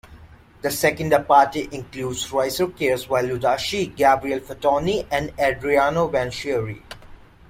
The "Seconda parte" includes ricercares by Luzzaschi, Gabriele Fattorini and Adriano Banchieri.